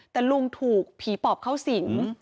แต่ลุงถูกผีปอบเข้าสิง